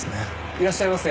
いらっしゃいませ。